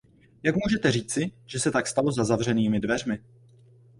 Jak můžete říci, že se tak stalo za zavřenými dveřmi?